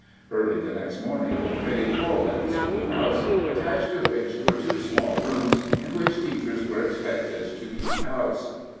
Early the next morning the committee called at the schoolhouse, attached to which were two small rooms in which teachers were expected to keep house.